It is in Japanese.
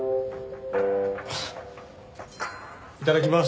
あっいただきます。